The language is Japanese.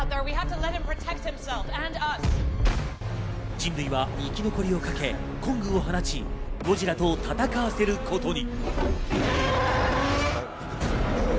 人類は生き残りをかけコングを放ち、ゴジラと戦わせることに。